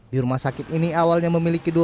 di rumah sakit ini